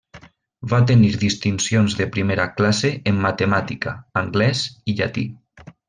Va tenir distincions de primera classe en matemàtica, anglès i llatí.